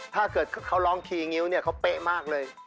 ถ้าเกิดเขาร้องคีย์งิ้วเนี่ยเขาเป๊ะมากเลย